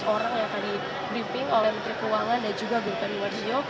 seratus orang yang akan di briefing oleh menteri keuangan dan juga guntari warjo